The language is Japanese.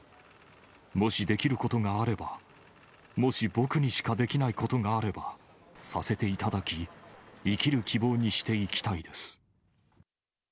もしできることがあれば、もし僕にしかできないことがあれば、させていただき、生きる希望にしていきたいです。